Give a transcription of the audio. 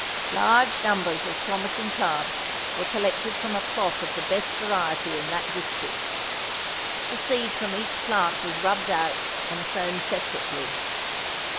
Large numbers of promising plants were collected from a plot of the best variety in that district. The seed from each plant was rubbed out and sown separately.